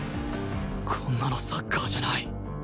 こんなのサッカーじゃない！